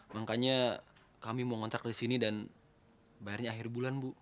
makanya kami mau ngtrak di sini dan bayarnya akhir bulan bu